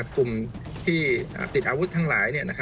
กลุ่มที่ติดอาวุธทั้งหลาย